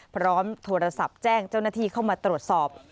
พร้อมโทรศัพท์แจ้งเจ้าหน้าที่เข้ามาตรวจสอบ